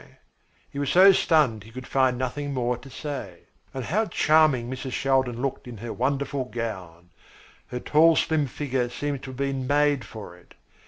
He was so stunned he could find nothing more to say. And how charming Mrs. Shaldin looked in her wonderful gown! Her tall slim figure seemed to have been made for it.